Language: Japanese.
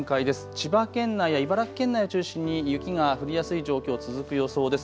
千葉県内茨城県内を中心に雪が降りやすい状況、続く予想です。